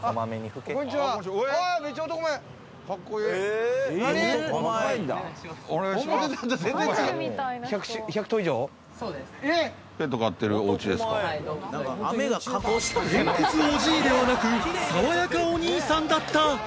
偏屈おじいではなく爽やかお兄さんだった！